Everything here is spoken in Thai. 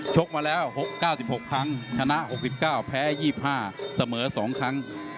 กมาแล้ว๖๙๖ครั้งชนะ๖๙แพ้๒๕เสมอ๒ครั้ง